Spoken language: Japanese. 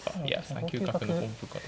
３九角の本譜かと。